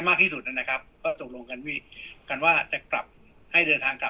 มากที่สุดนะครับก็ตกลงกันว่าจะกลับให้เดินทางกลับ